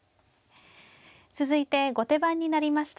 続いて後手番になりました